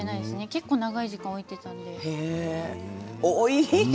結構、長い時間、置いていたので。